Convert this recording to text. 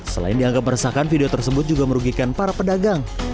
selain dianggap meresahkan video tersebut juga merugikan para pedagang